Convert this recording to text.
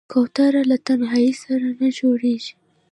کوتره له تنهايي سره نه جوړېږي.